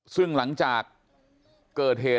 ซึ่งหลังจากเกิดเหตุ